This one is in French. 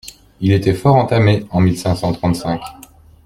Il était fort entamé en mille cinq cent trente-cinq.